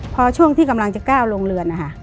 พอช่วงที่กำลังจะก้าวโรงเรือนนะคะ